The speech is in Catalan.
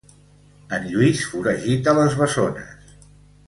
En Lluís foragita les bessones.